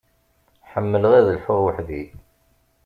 Ḥemmleɣ ad lḥuɣ weḥd-i.